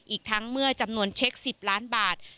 อีกทั้งเมื่อจำนวนเช็ค๑๐ล้านบาท